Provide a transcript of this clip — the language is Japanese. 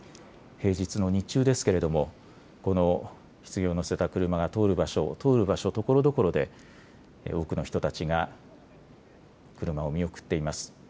平日の日中ですけれどもひつぎを乗せた車が通る場所、通る場所、ところどころで多くの人たちが車を見送っています。